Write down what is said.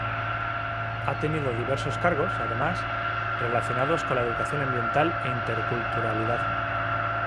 Ha tenido diversos cargos, además, relacionados con la Educación Ambiental e Interculturalidad.